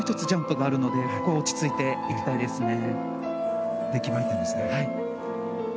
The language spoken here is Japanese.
ジャンプがあるのでそこは落ち着いていきたいです。